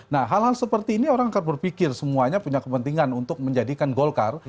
nah hal hal seperti ini orang akan berpikir semuanya punya kepentingan untuk menjadikan golkar